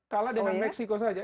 kalah dengan mexico saja